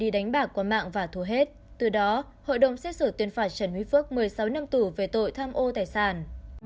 đánh bạc qua mạng và thua hết từ đó hội đồng xét xử tuyên phạt trần quý phước một mươi sáu năm tù về tội tham ô tài sản